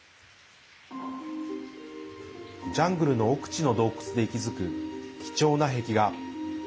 ジャングルの奥地の洞窟で息づく貴重な壁画。